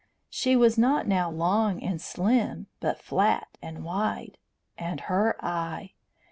She was not now long and slim, but flat and wide. And her eye!